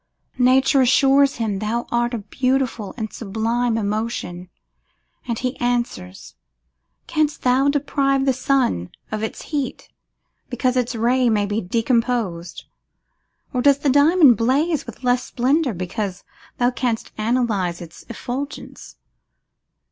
Nature assures him thou art a beautiful and sublime emotion; and, he answers, canst thou deprive the sun of its heat because its ray may be decomposed; or does the diamond blaze with less splendour because thou canst analyse its effulgence?